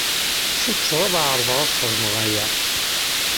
Cukkteɣ ad ɛerḍeɣ ad xedmeɣ aya.